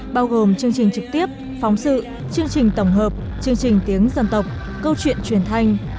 bao gồm chương trình trực tiếp phóng sự chương trình tổng hợp chương trình tiếng dân tộc câu chuyện truyền thanh